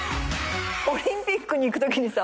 オリンピックに行くときにさ